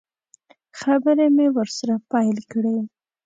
خبرې مې ورسره پیل کړې.